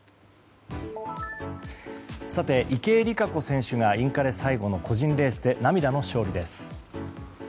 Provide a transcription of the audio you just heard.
さて、池江璃花子選手がインカレ最後の個人レースで涙の勝利です。